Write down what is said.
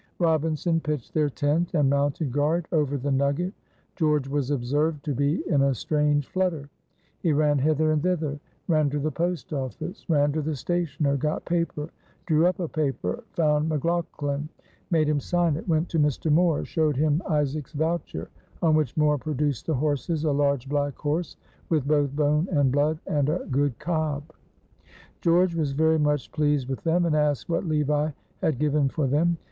Robinson pitched their tent and mounted guard over the nugget. George was observed to be in a strange flutter. He ran hither and thither. Ran to the post office ran to the stationer got paper drew up a paper found McLaughlan made him sign it went to Mr. Moore showed him Isaac's voucher; on which Moore produced the horses, a large black horse with both bone and blood, and a good cob. George was very much pleased with them, and asked what Levi had given for them.